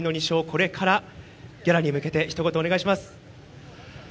これからギャラリーに向けて一言、お願いします。